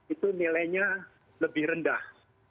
itu nilainya lebih rendah